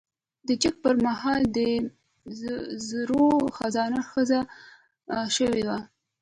د جنګ پر مهال د زرو خزانه ښخه شوې وه.